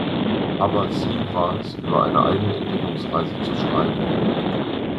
Hubbards Ziel war es, über eine eigene Entdeckungsreise zu schreiben.